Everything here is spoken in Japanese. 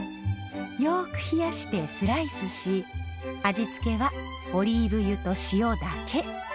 よく冷やしてスライスし味付けはオリーブ油と塩だけ。